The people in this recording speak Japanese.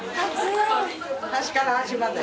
端から端まで。